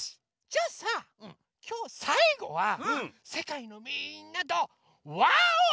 じゃあさきょうさいごはせかいのみんなと「わお！」